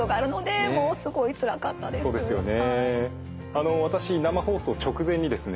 あの私生放送直前にですね